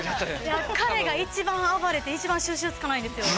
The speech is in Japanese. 彼が一番暴れて一番収拾つかないんですよ。